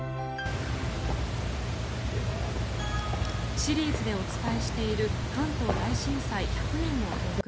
シリーズでお伝えしている関東大震災１００年の教訓。